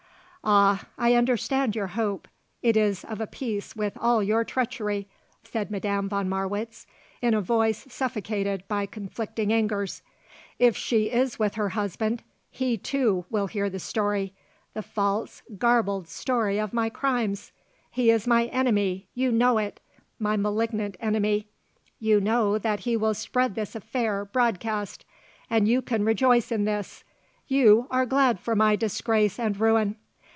"Ah, I understand your hope; it is of a piece with all your treachery," said Madame von Marwitz in a voice suffocated by conflicting angers. "If she is with her husband he, too, will hear the story the false, garbled story of my crimes. He is my enemy, you know it; my malignant enemy; you know that he will spread this affair broadcast. And you can rejoice in this! You are glad for my disgrace and ruin!"